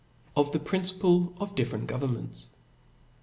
Of the Principle of different Governments.